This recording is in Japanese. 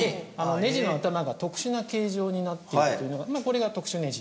ネジの頭が特殊な形状になっているというのがこれが特殊ネジ。